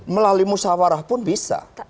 melalui musawarah pun bisa